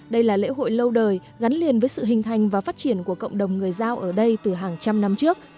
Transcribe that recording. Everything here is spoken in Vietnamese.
đây là lễ hội lâu đời gắn liền với sự hình thành và phát triển của cộng đồng người giao ở đây từ hàng trăm năm trước